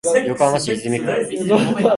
横浜市泉区